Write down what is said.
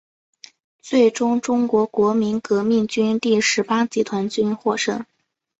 最终中国国民革命军第十八集团军获胜。